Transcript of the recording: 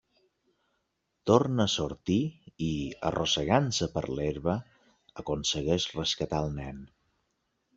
Torna a sortir i, arrossegant-se per l'herba, aconsegueix rescatar el nen.